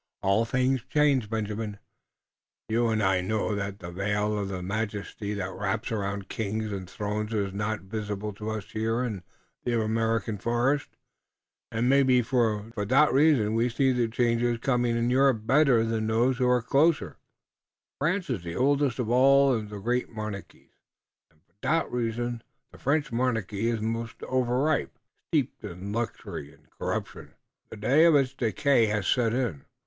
All things change, Benjamin. You und I know that. The veil of majesty that wraps around kings und thrones iss not visible to us here in der American forest, und maybe for dot reason we see the changes coming in Europe better than those who are closer by. France is the oldest of all the old und great monarchies und for dot reason the French monarchy iss most overripe. Steeped in luxury und corruption, the day of its decay hass set in."